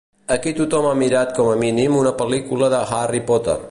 Aquí tothom ha mirat com a mínim una pel·lícula de Harry Potter.